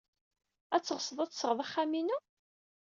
Ad teɣsed ad tesɣed axxam-inu?